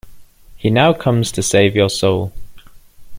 He now comes to save your soul.